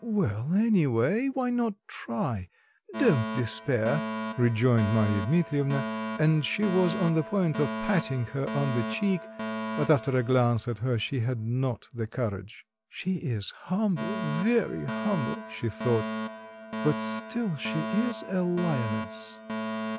"Well, anyway, why not try? Don't despair," rejoined Marya Dmitrievna, and she was on the point of patting her on the cheek, but after a glance at her she had not the courage. "She is humble, very humble," she thought, "but still she is a lioness."